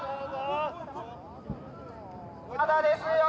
まだですよ！